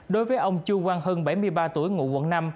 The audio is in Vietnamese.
đối với ông chu quang hưng bảy mươi ba tuổi ngụ quận năm